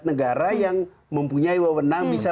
negara yang mempunyai wewenang bisa